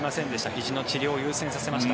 ひじの治療を優先させました。